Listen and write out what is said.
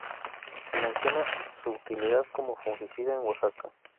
Se menciona su utilidad como fungicida en Oaxaca.